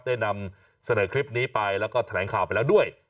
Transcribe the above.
ได้นำเสนอคลิปนี้ไปแล้วก็แถลงข่าวไปแล้วด้วย